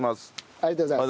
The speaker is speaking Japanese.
ありがとうございます。